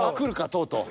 とうとう。